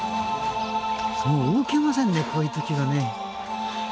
もう動けませんねこういうときはね。